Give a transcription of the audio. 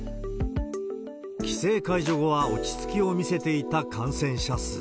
規制解除後は落ち着きを見せていた感染者数。